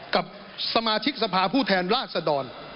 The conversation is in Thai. กับสมาชิกสภาพูดแทนราชสะดอน